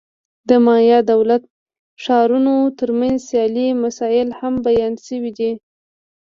د مایا دولت-ښارونو ترمنځ سیالۍ مسایل هم بیان شوي دي.